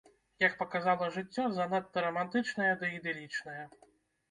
Як паказала жыццё, занадта рамантычная ды ідылічная.